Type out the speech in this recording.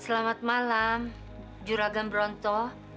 selamat malam juragan bronto